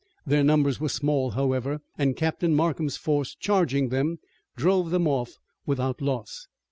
Their numbers were small, however, and Captain Markham's force charging them drove them off without loss.